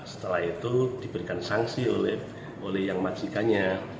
setelah itu diberikan sanksi oleh yang majikannya